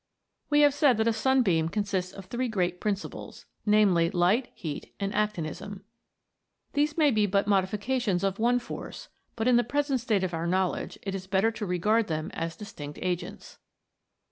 We have said that a sunbeam consists of three great principles, namely, light, heat, and actinism. These may be but modifications of one force, but in the present state of our knowledge it is better to regard them as distinct agents.